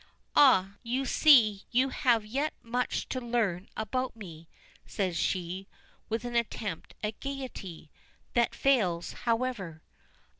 "Ah! you see you have yet much to learn about me," says she, with an attempt at gayety that fails, however.